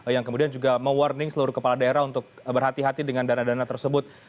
yang kemudian juga me warning seluruh kepala daerah untuk berhati hati dengan dana dana tersebut